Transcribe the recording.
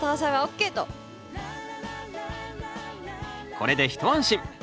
これで一安心。